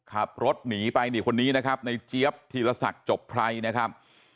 ขับรถหนีไปนี่คนนี้นะครับในเจี๊ยบธีรศักดิ์จบไพรนะครับ